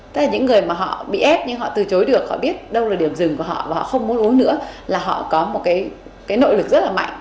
tức là những người mà họ bị ép nhưng họ từ chối được họ biết đâu là điểm rừng của họ và họ không muốn uống nữa là họ có một cái nội lực rất là mạnh